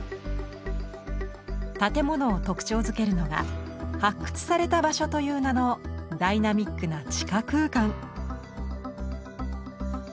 建物を特徴づけるのが「発掘された場所」という名のダイナミックな地下空間。